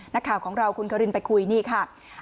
นักข่าวของเราคุณคารินไปคุยนี่ค่ะ